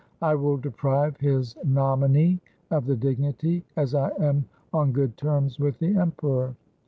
I will deprive his nominee of the dignity, as I am on good terms with the Emperor.